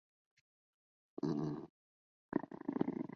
多见于科罗拉多州的圣路易斯山谷。